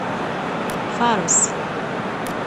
Faṛes.